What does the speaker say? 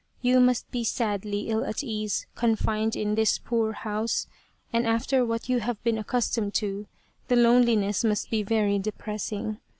You must be sadly ill at ease confined in this poor house, and after what you have been accustomed to the loneliness must be very de pressing.